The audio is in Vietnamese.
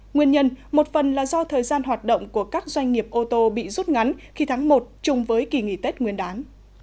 nguyên nhân một phần là do thời gian hoạt động của các doanh nghiệp ô tô bị rút ngắn khi tháng một chung với kỳ nghỉ tết nguyên đán